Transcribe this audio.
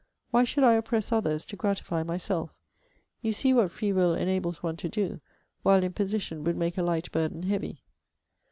Why should I oppress others, to gratify myself? You see what free will enables one to do; while imposition would make a light burden heavy.'